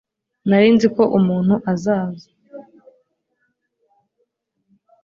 nari nzi ko umuntu azaza